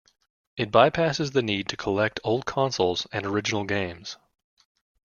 It bypasses the need to collect old consoles and original games.